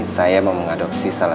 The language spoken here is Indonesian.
saya mau mengadopsi seorang perempuan